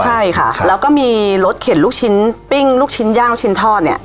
ใช่ค่ะแล้วก็มีรสเข็นลูกชิ้นปิ้งลูกชิ้นย่างลูกชิ้นทอดเนี่ย